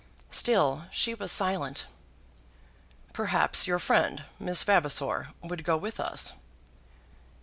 Still she was silent. "Perhaps your friend, Miss Vavasor, would go with us?"